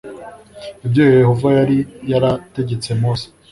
ibyo yehova yari yarategetse mose